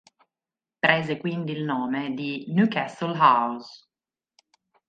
Prese quindi il nome di Newcastle House.